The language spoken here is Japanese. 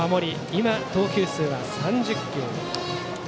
今、投球数は３０球。